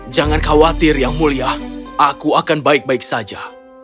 jangan khawatir yang mulia aku akan baik baik saja